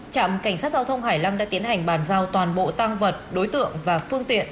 trạm cảnh sát giao thông hải lăng đã tiến hành bàn giao toàn bộ tăng vật đối tượng và phương tiện